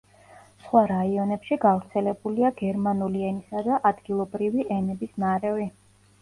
სხვა რაიონებში გავრცელებულია გერმანული ენისა და ადგილობრივი ენების ნარევი.